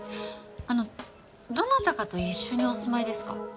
あのどなたかと一緒にお住まいですか？